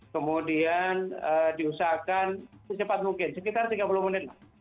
kemudian diusahakan secepat mungkin sekitar tiga puluh menit lah